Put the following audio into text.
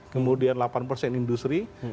kemudian delapan persen industri